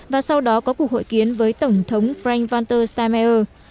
và sau đó có cuộc hội kiến với tổng thống frank walter steinmeier